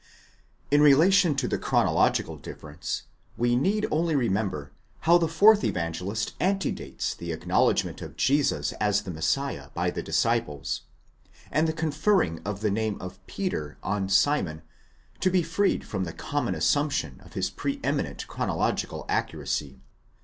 In relation to the chronological difference, we need only remember how the fourth Evangelist antedates the acknowledgment of Jesus as the Messiah by the disciples, and the conferring of the name of Peter on Simon, to be freed from the common assumption of his pre eminent chronological accuracy, δ Liicke, 1.